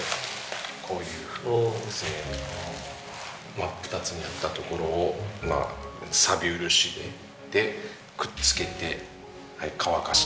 真っ二つになったところをさび漆でくっつけて乾かして。